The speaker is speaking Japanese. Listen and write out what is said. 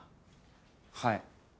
はい。